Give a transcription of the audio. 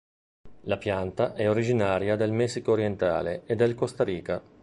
La pianta è originaria del Messico orientale e del Costa Rica.